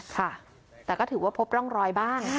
ค่ะแต่ก็ถือว่าพบร่องรอยบ้าง